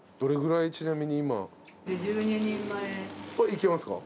いけますか？